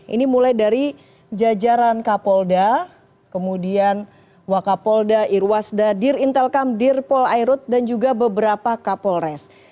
ini mulai dari jajaran kapolda kemudian wakapolda irwasda dir intelkam dir polairut dan juga beberapa kapolres